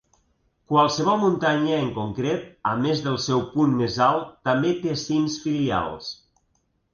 Qualsevol muntanya en concret, a més del seu punt més alt, també té "cims" filials.